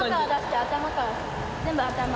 全部頭。